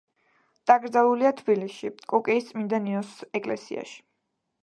დაკრძალულია თბილისში, კუკიის წმინდა ნინოს ეკლესიაში.